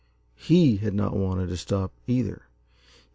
HE had not wanted to stop, either.